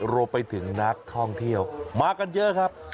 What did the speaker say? รวมไปถึงนักท่องเที่ยวมากันเยอะครับ